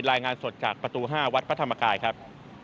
รายงานสดจากประตู๕วัดพระธรรมกายครับ